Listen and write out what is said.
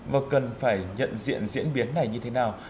và cần phải nhận diện diễn biến này như thế nào